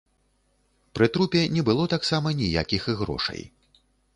Пры трупе не было таксама ніякіх і грошай.